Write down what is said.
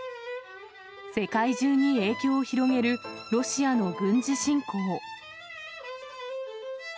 世界中に影響を広げるロシアの軍事侵攻。